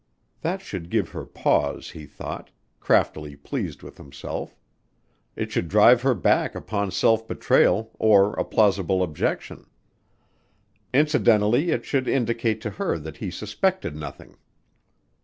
That should give her pause, he thought, craftily pleased with himself. It should drive her back upon self betrayal or a plausible objection. Incidentally it should indicate to her that he suspected nothing.